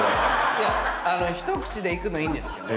いや一口でいくのいいんですけど。